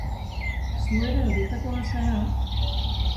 Zu ere horietako bat zara?